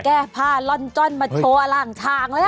แก้ผ้าล่อนจ้อนมาโตว่าล่างทางแล้วอ่ะ